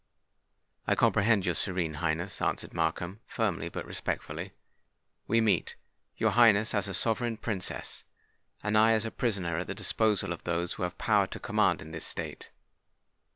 "I comprehend your Serene Highness," answered Markham, firmly, but respectfully. "We meet—your Highness as a sovereign Princess, and I as a prisoner at the disposal of those who have power to command in this State."